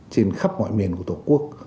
trên khắp ngoại miền của tổ quốc